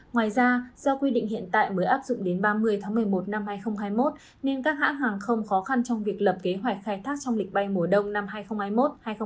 ngoài ra do quy định hiện tại mới áp dụng đến ba mươi tháng một mươi một năm hai nghìn hai mươi một nên các hãng hàng không khó khăn trong việc lập kế hoạch khai thác trong lịch bay mùa đông năm hai nghìn hai mươi một hai nghìn hai mươi bốn